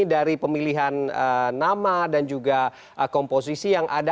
dari pemilihan nama dan juga komposisi yang ada